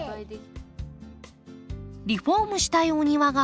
リフォームしたいお庭がこちら。